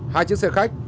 hai chiếc xe khách